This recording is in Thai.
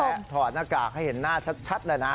ก็ถอดหน้ากากให้เห็นหน้าชัดเลยนะ